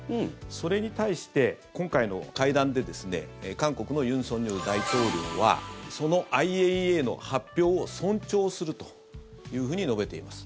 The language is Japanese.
それに対して、今回の会談で韓国の尹錫悦大統領はそのＩＡＥＡの発表を尊重するというふうに述べています。